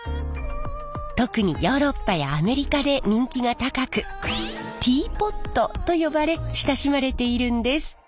特にヨーロッパやアメリカで人気が高くティーポットと呼ばれ親しまれているんです。